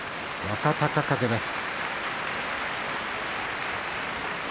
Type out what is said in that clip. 若隆景です。